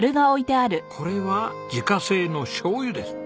これは自家製のしょうゆです。